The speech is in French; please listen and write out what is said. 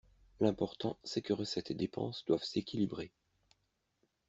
L’important, c’est que recettes et dépenses doivent s’équilibrer.